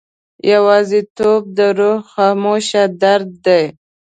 یوازیتوب د روح خاموش درد دی.